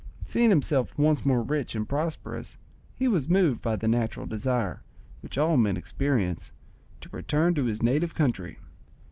Seeing himself once more rich and prosperous, he was moved by the natural desire, which all men experience, to return to his native country.